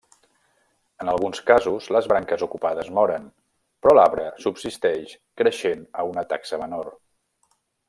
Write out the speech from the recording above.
En alguns casos les branques ocupades moren, però l'arbre subsisteix creixent a una taxa menor.